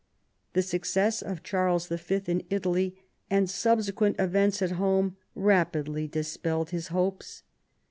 The success of Charles Y. in Italy, and subsequent events at home, rapidly dispelled his hopes.